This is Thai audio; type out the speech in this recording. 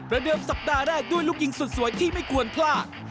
เดิมสัปดาห์แรกด้วยลูกยิงสุดสวยที่ไม่ควรพลาด